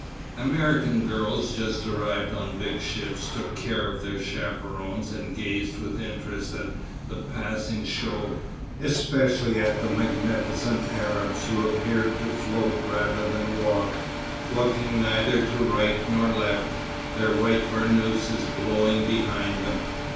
American girls just arrived on big ships took care of their chaperons and gazed with interest at the passing show, especially at the magnificent Arabs who appeared to float rather than walk, looking neither to right nor left, their white burnouses blowing behind them.